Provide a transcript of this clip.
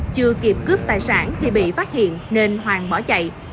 chưa kịp cướp tài sản thì bị phát hiện nên hoàng bỏ chạy